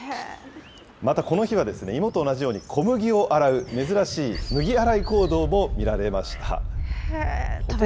またこの日は芋と同じように小麦を洗う珍しい麦洗い行動も見られました。